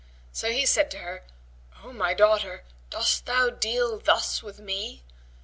So he said to her, "O my daughter, dost thou deal thus with me?"